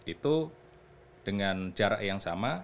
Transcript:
itu dengan jarak yang sama